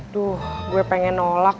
duh gue pengen nolak